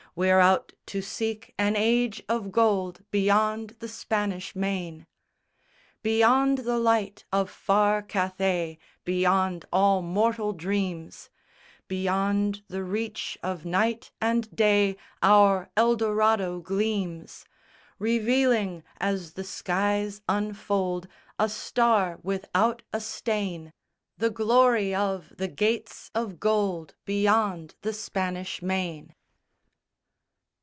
We're out to seek an Age of Gold Beyond the Spanish Main._ _Beyond the light of far Cathay, Beyond all mortal dreams, Beyond the reach of night and day Our El Dorado gleams, Revealing as the skies unfold A star without a stain, The Glory of the Gates of Gold Beyond the Spanish Main.